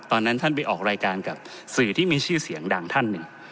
ตอนนั้นท่านไปออกรายการกับสื่อที่มีชื่อเสียงดังท่านหนึ่ง